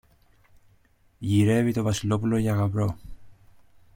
Γυρεύει το Βασιλόπουλο για γαμπρό.